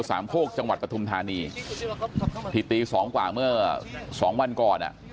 โคกจังหวัดปฐุมธานีที่ตีสองกว่าเมื่อสองวันก่อนอ่ะ